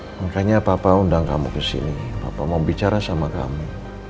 makanya papa undang kamu kesini papa mau bicara sama kamu